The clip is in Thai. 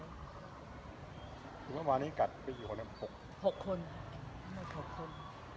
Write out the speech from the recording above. ถึงเมื่อวานี้กัดไปกี่คนครับหกหกคนครับเมื่อหกคน